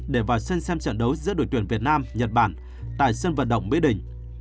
để vào xem xem trận đấu giữa đội tuyển việt nam nhật bản tại sân vận động mỹ đình